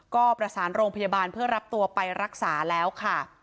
ก็ประสานโรงพยาบาลเพื่อรับตัวไปรักษาแล้วค่ะ